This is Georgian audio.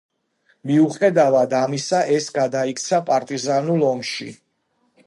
მიუხედავად ამისა, ეს გადაიქცა პარტიზანულ ომში.